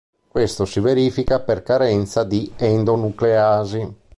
Questo si verifica per carenza di endonucleasi.